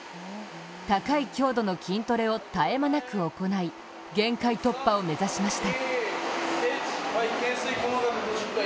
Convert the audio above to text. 高い強度の筋トレを絶え間なく行い、限界突破を目指しました。